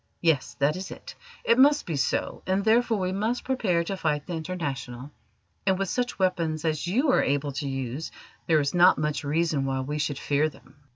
Yes, that is it: it must be so, and therefore we must prepare to fight the International; and with such weapons as you are able to use there is not much reason why we should fear them."